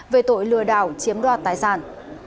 về tội lừa đảo chiếm đoạt tài sản